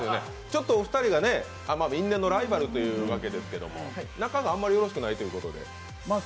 ちょっとお二人が因縁のライバルということで仲があんまりよろしくないということで。